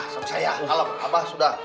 saya kalau apa sudah